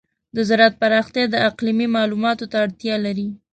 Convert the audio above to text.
د زراعت پراختیا د اقلیمي معلوماتو ته اړتیا لري.